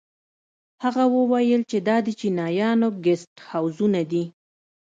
هغه وويل چې دا د چينايانو ګسټ هوزونه دي.